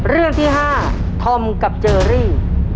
เรื่องที่๕ธอมกับเจอรี่